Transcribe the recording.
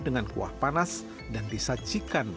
dengan kuah panas dan disajikan